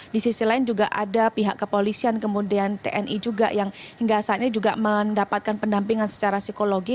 di sisi lain juga ada pihak kepolisian kemudian tni juga yang hingga saat ini juga mendapatkan pendampingan secara psikologi